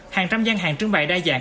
hàng trăm gian hàng trưng bày đa dạng